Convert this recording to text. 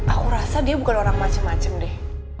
aku rasa dia bukan orang macem macem deh